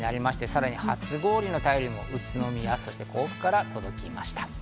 さらに、初氷の便りも宇都宮と甲府から届きました。